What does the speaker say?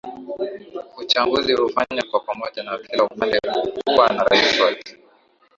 Uchaguzi hufanya kwa pamoja na kila upande huwa na raisi wake